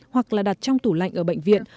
hoặc là đặt trong tủ lạnh ở bệnh viện